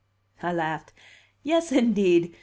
I laughed. "Yes, indeed!